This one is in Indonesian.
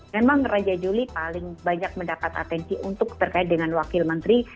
memang raja juli paling banyak mendapat atensi untuk terkait dengan wakil menteri